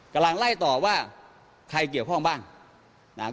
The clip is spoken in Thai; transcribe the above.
กำลังไล่ต่อว่าใครเกี่ยวข้องบ้างนะครับ